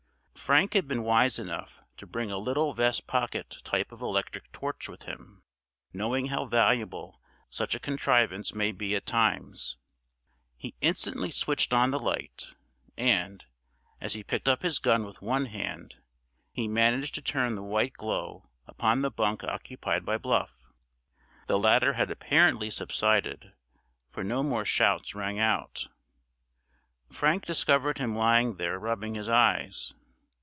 Frank had been wise enough to bring a little vest pocket type of electric torch with him, knowing how valuable such a contrivance may be at times. He instantly switched on the light; and, as he picked up his gun with one hand, he managed to turn the white glow upon the bunk occupied by Bluff. The latter had apparently subsided, for no more shouts rang out. Frank discovered him lying there rubbing his eyes.